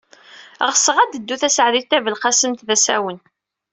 Ɣseɣ ad teddu Taseɛdit Tabelqasemt d asawen.